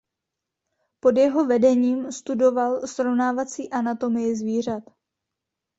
Pod jeho vedením studoval srovnávací anatomii zvířat.